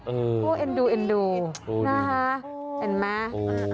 โอ้เอ็นดูนะฮะเห็นไหม